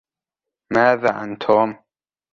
ماذا عن "توم"؟